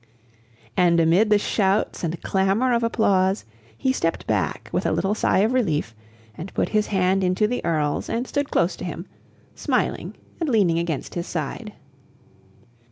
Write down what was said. And amid the shouts and clamor of applause, he stepped back with a little sigh of relief, and put his hand into the Earl's and stood close to him, smiling and leaning against his side.